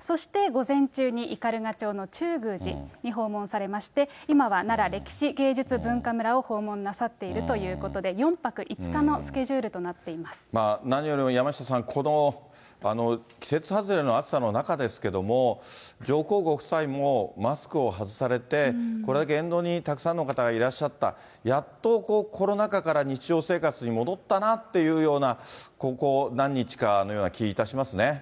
そして午前中に斑鳩町の中宮寺に訪問されまして、今は、なら歴史芸術文化村を訪問なさっているということで、４泊５日のスケジュ何よりも山下さん、この季節外れの暑さの中ですけれども、上皇ご夫妻もマスクを外されて、これだけ沿道にたくさんの方がいらっしゃった、やっと、コロナ禍から日常生活に戻ったなっていうような、ここ何日かのような気がいたしますね。